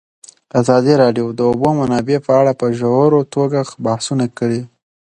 ازادي راډیو د د اوبو منابع په اړه په ژوره توګه بحثونه کړي.